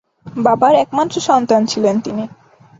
বাবার একমাত্র সন্তান ছিলেন তিনি।